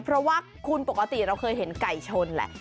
เพราะว่าคุณปกติเราเคยเห็นไก่ชนแหละ